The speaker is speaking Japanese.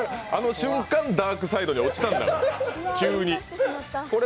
あの瞬間ダークサイドに落ちたんだから。